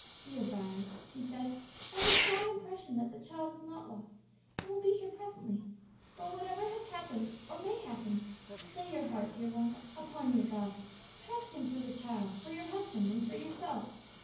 "Dear Vi," she said, "I have a strong impression that the child is not lost, and will be here presently. But whatever has happened, or may happen, stay your heart, dear one, upon your God; trust Him for the child, for your husband, and for yourself.